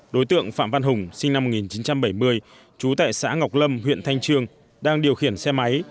đối tượng phạm văn hùng sinh năm một nghìn chín trăm bảy mươi trú tại xã ngọc lâm huyện thanh trương đang điều khiển xe máy